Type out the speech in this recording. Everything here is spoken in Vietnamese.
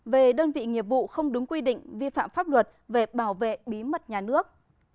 về đơn vị nghiệp vụ không đúng quy định vi phạm pháp luật về bảo vệ bí mật nhà nước